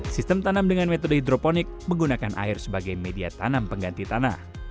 sistem tanam dengan metode hidroponik menggunakan air sebagai media tanam pengganti tanah